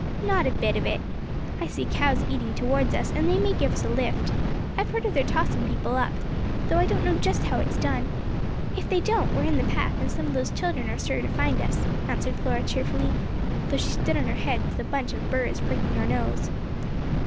"Not a bit of it! I see cows eating toward us and they may give us a lift. I've heard of their tossing people up, though I don't know just how it's done. If they don't, we are in the path and some of those children are sure to find us," answered Flora cheerfully, though she stood on her head with a bunch of burrs pricking her nose.